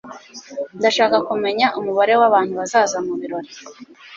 ndashaka kumenya umubare wabantu bazaba mubirori